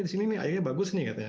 eh di sini nih airnya bagus nih katanya